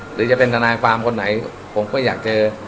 หรือจะเป็นทนายความคนไหนผมก็อยากเจอ